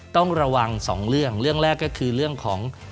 ต้องระวังสองเรื่องเรื่องแรกก็คือเรื่องของ